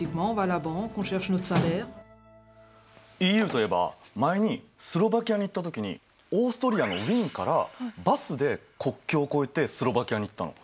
ＥＵといえば前にスロバキアに行った時にオーストリアのウィーンからバスで国境を越えてスロバキアに行ったの。